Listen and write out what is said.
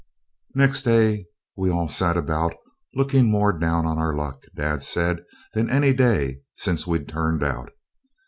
Next day we all sat about, looking more down on our luck, dad said, than any day since we'd 'turned out'.